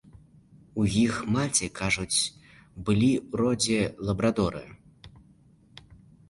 У іх маці, кажуць, былі ў родзе лабрадоры.